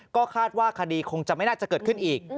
ก็คาดว่าคดีคงจะไม่น่าจะเกิดขึ้นอีก